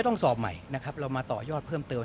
ต้องสอบใหม่หรือว่าสอบลงมาว่าก่อน